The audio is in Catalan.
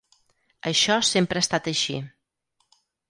Això sempre ha estat així.